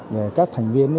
để các thành viên